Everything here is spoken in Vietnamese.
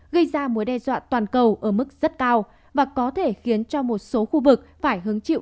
gây ra mối đe dọa toàn cầu ở mức rất cao và có thể khiến cho một số khu vực phải hứng chịu